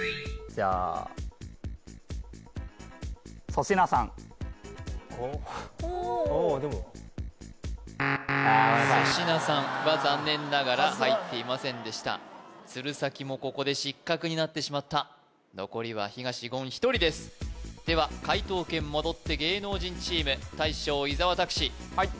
ああでも・おお粗品さんは残念ながら入っていませんでした鶴崎もここで失格になってしまった残りは東言１人ですでは解答権戻って芸能人チーム大将伊沢拓司はい